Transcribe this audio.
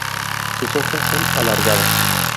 Sus hojas son alargadas.